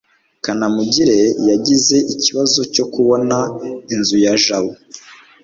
kanamugire yagize ikibazo cyo kubona inzu ya jabo